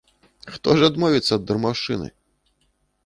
Хто ж адмовіцца ад дармаўшчыны!